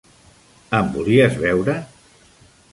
Em volies veure?